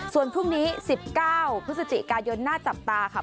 ส่วนพรุ่งนี้๑๙พฤศจิกายนน่าจับตาค่ะ